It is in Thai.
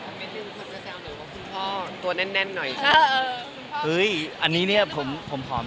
คุณพ่อตัวแน่นหน่อยใช่ไหม